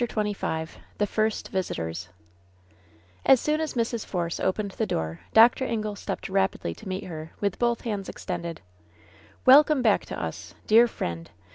CHAPTER XXV THE FIBST VISITOBS As SOON as Mrs. Force opened the door Dr. Ingle stepped rapidly to meet her, with both hands extended. "Welcome back to us ! Dear friend